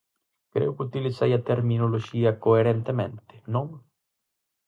Creo que utilicei a terminoloxía coherentemente, ¿non?